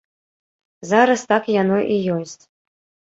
Зараз так яно і ёсць.